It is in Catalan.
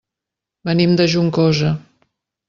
Venim de Juncosa.